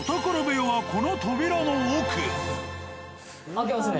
開けますね。